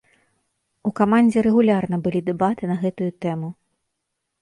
У камандзе рэгулярна былі дэбаты на гэтую тэму.